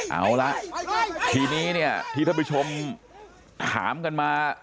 เอาละทีนี้เนี่ยที่ท่านผู้ชมถามกันมา